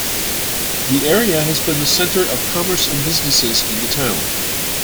The area has been the center of commerce and businesses in the town.